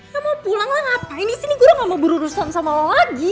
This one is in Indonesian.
ya mau pulang lah ngapain disini gue udah gak mau berurusan sama lo lagi